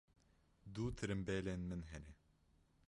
Du tirimbêlên min hene.